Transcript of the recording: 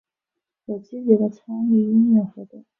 有积极的参与音乐活动。